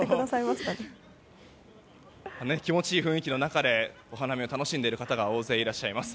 気持ちいい雰囲気の中でお花見を楽しんでいる方が大勢いらっしゃいます。